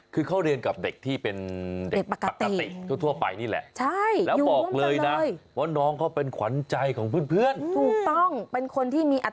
คือเขาเรียนกับเด็กที่เป็น